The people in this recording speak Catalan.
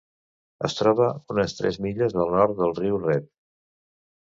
Es troba unes tres milles al nord del riu Red.